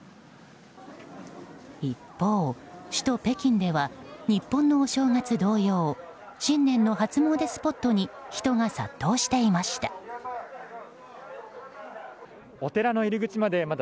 一方、首都・北京では日本のお正月同様新年の初詣スポットに人が殺到していました。